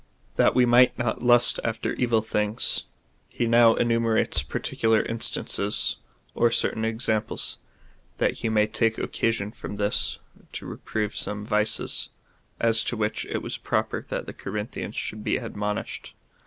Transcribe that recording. That we might not lust after evil things. He now enume rates particular instances, or certain examples, that he may take occasion from this to reprove some vices, as to which it was proper that the Corinthians should be admonished.